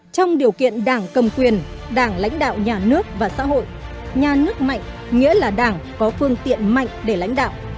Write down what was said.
trong điều kiện đảng cầm quyền đảng lãnh đạo nhà nước và xã hội nhà nước mạnh nghĩa là đảng có phương tiện mạnh để lãnh đạo